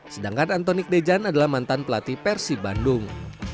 sedangkan antonik dejan adalah mantan pelatih persib bandung